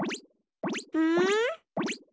うん？